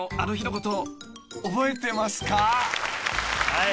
はい。